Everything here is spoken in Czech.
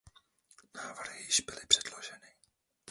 Návrhy již byly předloženy.